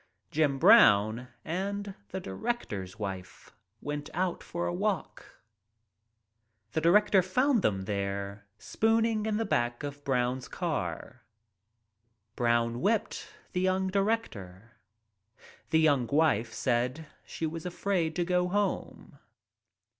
Jim Brown and the director's wife went out for a walk. The director found them there spooning in the tonneau of Brown's car. Brown whipped the young director. The young wife said she was afraid to go home.